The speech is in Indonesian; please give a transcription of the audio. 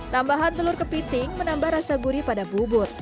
tambahan telur kepiting menambah rasa gurih pada bubur